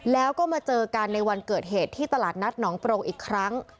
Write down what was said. แล้วก็มาเจอกันในวันเกิดเหตุที่ตลาดนัดหนองโปรงอีกครั้ง